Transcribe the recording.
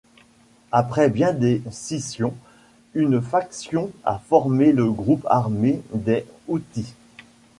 Après bien des scissions, une faction a formé le groupe armé des Houthis.